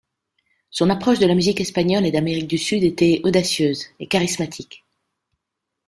Son approche de la musique espagnole et d'Amérique du Sud était audacieuse et charismatique.